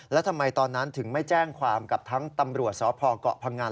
แล้วทำไมตอนนั้นถึงไม่แจ้งความกับทั้งตำรวจสพเกาะพังงัน